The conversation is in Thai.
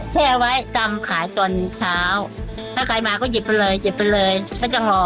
แช่ไว้ตำขายจนเช้าถ้าใครมาก็หยิบไปเลยไม่ต้องรอ